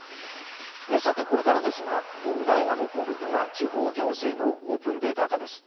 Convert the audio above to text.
さてこれからですが問題が残るのが地方行政のオープンデータ化です。